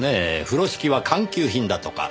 風呂敷は官給品だとか。